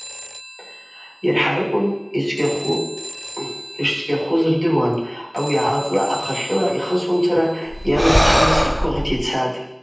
Йырхӏарыквын йшчвгьахуз рдыруан, ауи йгӏалцӏла ахъахьыла йхысуамцара йамырцарныс ргвыгъата йцатӏ.